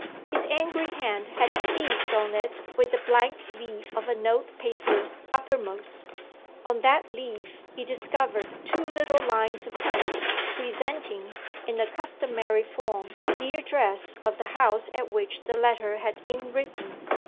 His angry hand had seized on it with the blank leaf of the note paper uppermost. On that leaf he discovered two little lines of print, presenting, in the customary form, the address of the house at which the letter had been written!